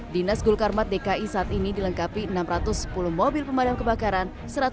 dinas gulkarmat dki saat ini dilengkapi enam ratus sepuluh mobil pemadam kebakaran